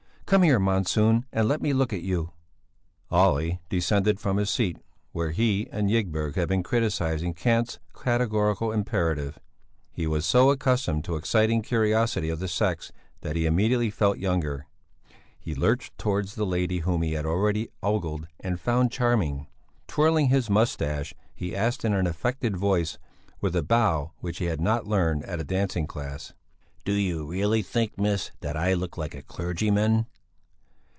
Come here, Monsson, and let me look at you!" Olle descended from his seat where he and Ygberg had been criticizing Kant's Categorical Imperative. He was so accustomed to exciting the curiosity of the sex that he immediately felt younger; he lurched towards the lady whom he had already ogled and found charming. Twirling his moustache, he asked in an affected voice, with a bow which he had not learned at a dancing class: "Do you really think, miss, that I look like a clergyman?"